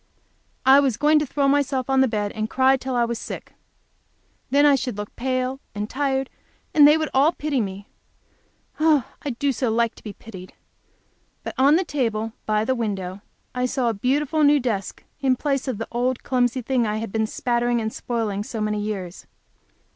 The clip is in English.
I was going to throw myself on the bed and cry till I was sick. Then I should look pale and tired, and they would all pity me. I do like so to be pitied! But on the table, by the window, I saw a beautiful new desk in place of the old clumsy thing I had been spattering and spoiling so many years.